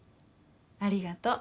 ありがとう。